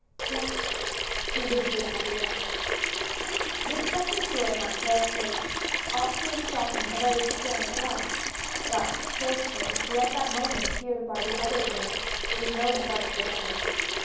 "Yes, she would be happy yet !" The expression of joy on that fair face ought to have softened a very stern judge, but Clotilde, who at that moment appeared by the other door, was no judge whatever.